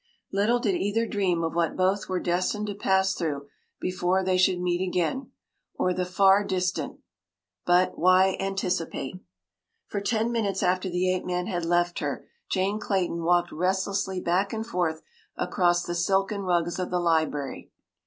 Little did either dream of what both were destined to pass through before they should meet again, or the far distant—but why anticipate? For ten minutes after the ape man had left her Jane Clayton walked restlessly back and forth across the silken rugs of the library.